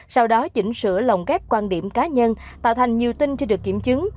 sau đó chỉnh sửa lồng ghép quan điểm cá nhân tạo thành nhiều tin chưa được kiểm chứng